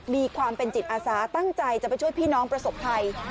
มีความเป็นจิตอาสาตั้งใจจะไปช่วยพี่น้องประสบภัย